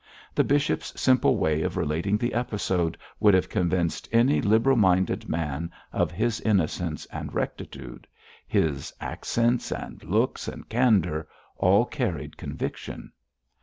The bishop's simple way of relating the episode would have convinced any liberal minded man of his innocence and rectitude. His accents, and looks, and candour, all carried conviction.